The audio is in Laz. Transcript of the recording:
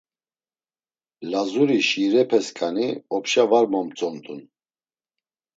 Lazuri şiirepeskani opşa var momtzondun.